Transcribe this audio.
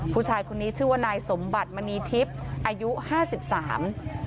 ผู้ชายคนนี้ชื่อว่านายสมบัติมณีทิพย์อายุห้าสิบสาม